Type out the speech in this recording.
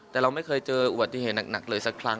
แต่เราไม่เคยเจออุบัติเหตุหนักเลยสักครั้ง